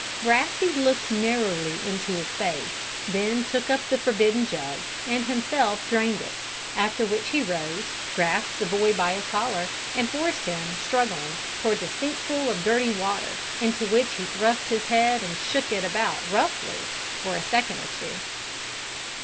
Brassey looked narrowly into his face, then took up the forbidden jug, and himself drained it, after which he rose, grasped the boy by his collar, and forced him, struggling, towards a sink full of dirty water, into which he thrust his head, and shook it about roughly for a second or two.